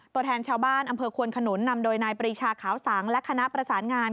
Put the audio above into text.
ตัวแทนชาวบ้านอำเภอควนขนุนนำโดยนายปรีชาขาวสังและคณะประสานงาน